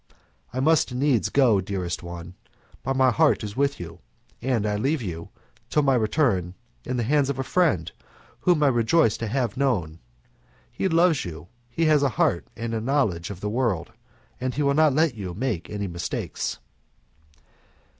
I must needs go, dearest one, but my heart is with you, and I leave you, till my return, in the hands of a friend, whom I rejoice to have known. He loves you, he has a heart and knowledge of the world, and he will not let you make any mistakes."